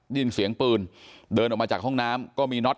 ได้ยินเสียงปืนเดินออกมาจากห้องน้ำก็มีน็อต